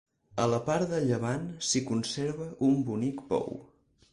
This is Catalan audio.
A la part de llevant s'hi conserva un bonic pou.